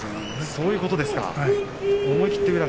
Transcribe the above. そういうことですか。